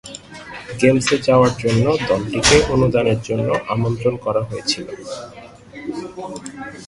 গেমসে যাওয়ার জন্য দলটিকে অনুদানের জন্য আমন্ত্রণ করা হয়েছিল।